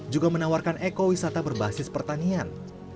juga menawarkan eko wisata berbasis pertanian